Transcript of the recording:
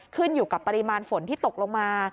ขึ้นอยู่กับปริมาณฝนที่ตกลงมา